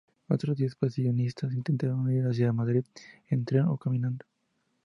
Otros diez pasionistas intentaron ir hacia Madrid en tren o caminando.